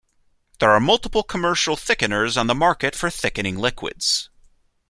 There are multiple commercial thickeners on the market for thickening liquids.